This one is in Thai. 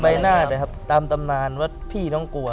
ไม้หนาดเนี่ยครับตามตำนานว่าพี่ต้องกลัว